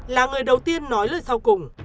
là người đầu tiên nói lời sau cùng